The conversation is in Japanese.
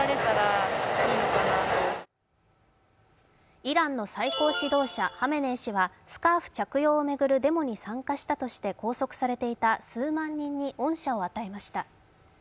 イランの最高指導者ハメネイ師はスカーフ着用を巡るデモに参加したとして拘束されていた数万人に恩赦を与えました。